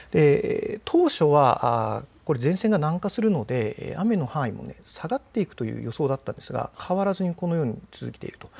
当初は前線が南下するので雨の範囲は下がっていくという予想だったんですが変わらずにあり続けている。